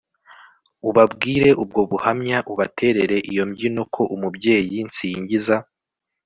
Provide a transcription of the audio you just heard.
Ubabwire ubwo buhamya Ubaterere iyo mbyino Ko Umubyeyi nsingiza